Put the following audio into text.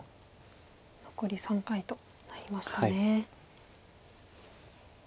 残り３回となりましたね。